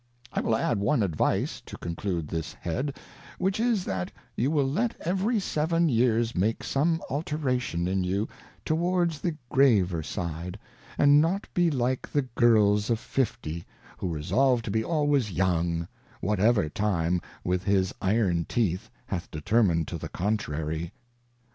I will add one Advice to conclude this head, which is that you will let every seven years make some alteration in you towards the Graver side, and not be like the Girls of Fifty, who resolve to be always Young, whatever Time with his Iron Teeth hath determined to the contrary.